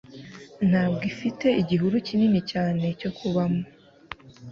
ntabwo ifite igihuru kinini cyane cyo kubamo